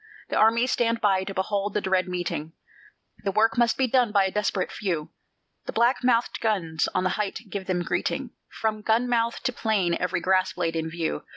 The armies stand by to behold the dread meeting; The work must be done by a desperate few; The black mouthèd guns on the height give them greeting From gun mouth to plain every grass blade in view.